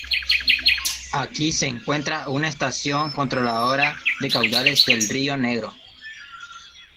Aquí se encuentra una estación controladora de caudales del río Negro.